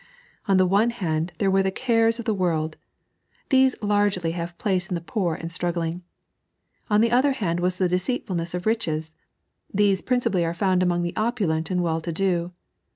On the one hand there were the cares cJ the world — these largely have place in the poor and struggling ; on the other hand was the deceitfulness of riches — these principally are found among the opulent and well to do.